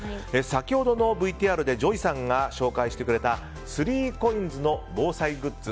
先ほどのＶＴＲでＪＯＹさんが紹介してくれた３ＣＯＩＮＳの防災グッズ